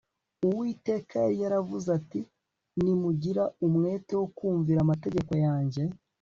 Uwiteka yari yaravuze ati Nimugira umwete wo kumvira amategeko yanjye